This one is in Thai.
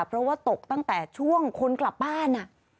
เพราะว่าตกตั้งแต่ช่วงคนกลับบ้าน